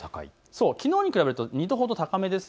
きのうに比べると２度ほど高めです。